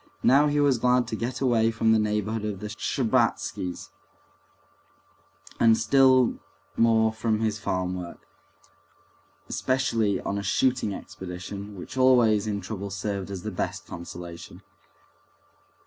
Now he was glad to get away from the neighborhood of the Shtcherbatskys, and still more from his farm work, especially on a shooting expedition, which always in trouble served as the best consolation.